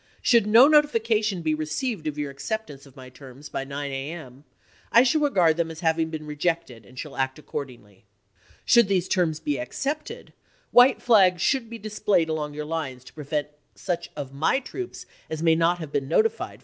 Should no notification be received of your acceptance of my terms by 9 a. m., I shall regard them as having been rejected, and shall act accord ingly. Should these terms be accepted, white flags should be displayed along your lines to prevent J^f1^ such of my troops as may not have been notified Voi!